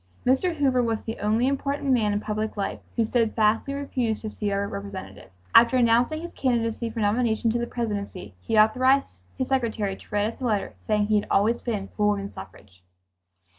Mr. Hoover was the only. important man in public life who steadfastly refused to see our representatives. After announcing his candidacy for nomination to the Presidency he authorized his secretary to write us a letter saying he had always been for woman suffrage.